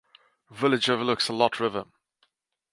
The village overlooks the Lot River.